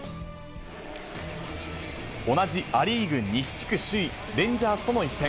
同じア・リーグ西地区首位レンジャーズとの一戦。